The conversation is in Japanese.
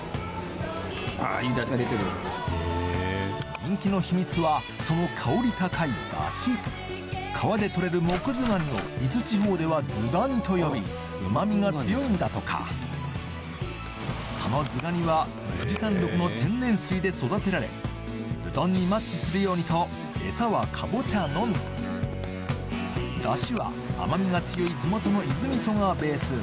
人気の秘密はその香り高いダシ川でとれるモクズガニを伊豆地方ではズガニと呼びうまみが強いんだとかそのズガニは富士山麓の天然水で育てられうどんにマッチするようにとエサはカボチャのみダシは甘みが強い地元の伊豆味噌がベース